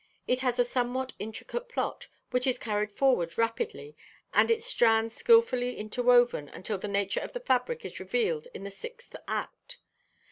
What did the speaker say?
It has a somewhat intricate plot, which is carried forward rapidly and its strands skillfully interwoven until the nature of the fabric is revealed in the sixth act.